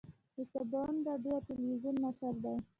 د سباوون راډیو تلویزون مشر دی.